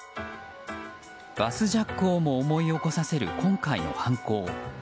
バスジャックをも思い起こさせる今回の犯行。